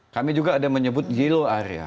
kami juga ada yang menyebut yellow area